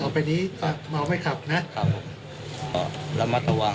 ต่อไปนี้ยังเม้าและขับอยู่ไหมครับ